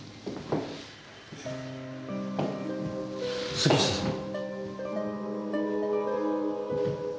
杉下さん。